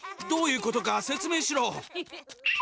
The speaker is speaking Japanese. どういうことか説明しろ。